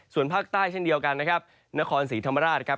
ส่วนภาคใต้เช่นเดียวกันนะครับนครศรีธรรมราชครับ